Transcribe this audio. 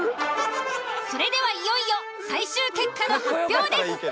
それではいよいよ最終結果の発表です。